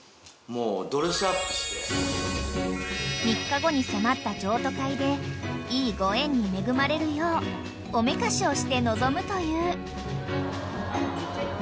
［３日後に迫った譲渡会でいいご縁に恵まれるようおめかしをして臨むという］